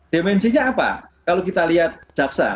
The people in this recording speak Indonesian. dimensinya apa kalau kita lihat jaksa